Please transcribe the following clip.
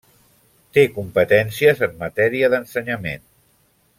Té competències en matèria d'Ensenyament.